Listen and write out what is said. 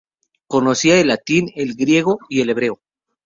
Conocía el latín, el griego y el hebreo.